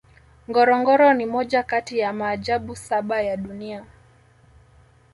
ngorongoro ni moja kati ya maajabu saba ya dunia